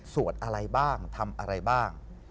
อะไรบ้างทำอะไรบ้าง